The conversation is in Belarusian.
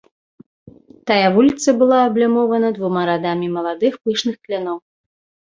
Тая вуліца была аблямована двума радамі маладых пышных кляноў.